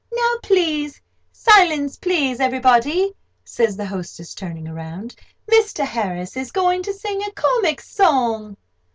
"Now, silence, please, everybody" says the hostess, turning round; "Mr. Harris is going to sing a comic song!"